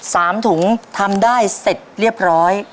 สามถุงทำได้เสร็จเรียบร้อย